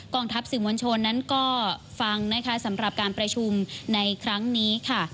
กล่องทัพสิงหวัญชนนั้นก็ฟังสำหรับการประชุมในครั้งนี้ค่ะ